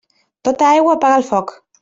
Tota aigua apaga el foc.